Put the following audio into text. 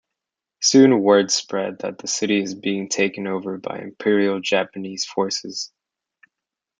Soon, words spread that the city is being taken over by Imperial Japanese forces.